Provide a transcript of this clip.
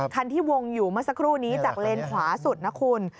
คันที่วงอยู่เมื่อสักครู่นี้จากเลนขวาสุดนะคุณ